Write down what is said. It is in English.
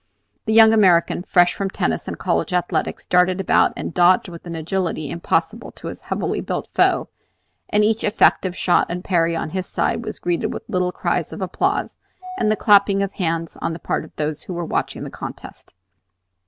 The young American, fresh from tennis and college athletics, darted about and dodged with an agility impossible to his heavily built foe; and each effective shot and parry on his side was greeted with little cries of applause and the clapping of hands on the part of those who were watching the contest.